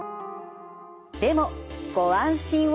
でもご安心を。